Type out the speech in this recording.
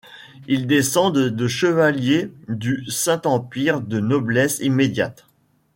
Ils descendent de chevaliers du Saint-Empire de noblesse immédiate.